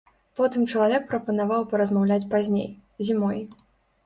Потым чалавек прапанаваў паразмаўляць пазней, зімой.